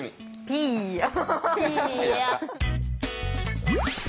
ピーヤ。